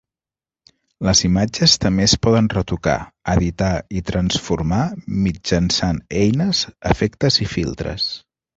Les imatges també es poden retocar, editar i transformar mitjançant eines, efectes i filtres.